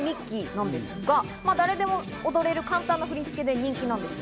なんですが、誰でも踊れる簡単な振り付けで人気なんです。